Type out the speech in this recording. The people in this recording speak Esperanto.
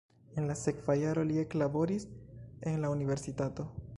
En la sekva jaro li eklaboris en la universitato.